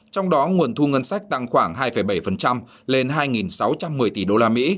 trong đó nguồn thu ngân sách tăng khoảng hai bảy lên hai sáu trăm một mươi tỷ usd